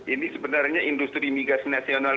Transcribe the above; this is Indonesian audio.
ini sebenarnya industri migas nasional